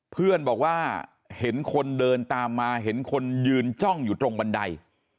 เพื่อนบอกว่าเห็นคนเดินตามมาเห็นคนยืนจ้องอยู่ตรงบันได